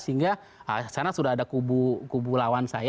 sehingga sana sudah ada kubu lawan saya